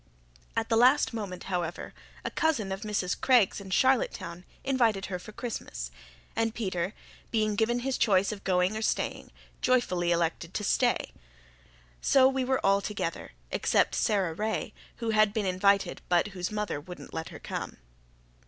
At the last moment, however, a cousin of Mrs. Craig's in Charlottetown invited her for Christmas, and Peter, being given his choice of going or staying, joyfully elected to stay. So we were all together, except Sara Ray, who had been invited but whose mother wouldn't let her come.